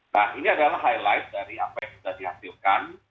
nah ini adalah highlight dari apa yang sudah dihasilkan